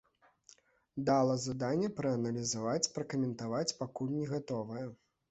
Дала заданне прааналізаваць, пракаментаваць пакуль не гатовая.